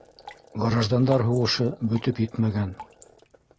Граждандар һуғышы бөтөп етмәгән.